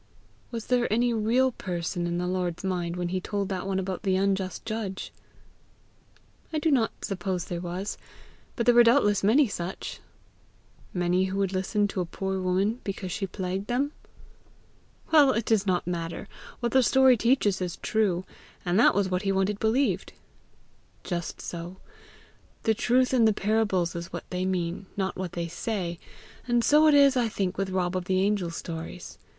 "Was there any real person in our Lord's mind when he told that one about the unjust judge?" "I do not suppose there was; but there were doubtless many such." "Many who would listen to a poor woman because she plagued them?" "Well, it does not matter; what the story teaches is true, and that was what he wanted believed." "Just so. The truth in the parables is what they mean, not what they say; and so it is, I think, with Rob of the Angels' stories.